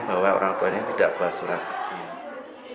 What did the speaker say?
bahwa orang tuanya tidak buat surat izin